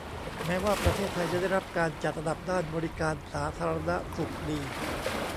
แม้ว่าประเทศไทยจะได้รับการจัดอันดับด้านบริการสาธารณสุขดี